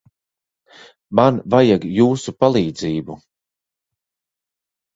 Man vajag jūsu palīdzību.